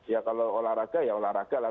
ya kalau olahraga ya olahraga lah